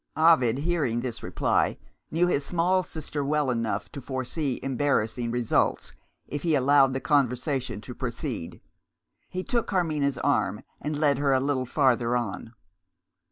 Ovid, hearing this reply, knew his small sister well enough to foresee embarrassing results if he allowed the conversation to proceed. He took Carmina's arm, and led her a little farther on.